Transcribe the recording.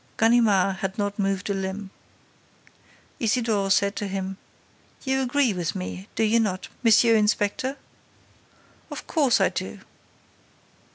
Ganimard had not moved a limb. Isidore said to him: "You agree with me, do you not, M. Inspector?" "Of course I do!"